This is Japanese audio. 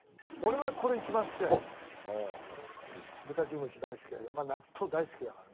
豚キムチ大好きだけど納豆大好きだからね。